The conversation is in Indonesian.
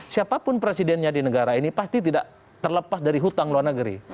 siapapun presidennya di negara ini pasti tidak terlepas dari hutang luar negeri